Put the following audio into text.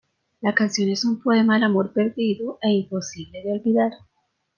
La canción es un poema al amor perdido e imposible de olvidar.